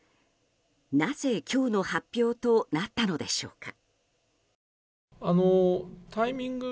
なぜ、今日の発表となったのでしょうか。